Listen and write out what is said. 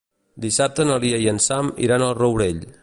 Dissabte na Lia i en Sam iran al Rourell.